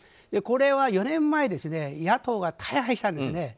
これは４年前野党が大敗したんです。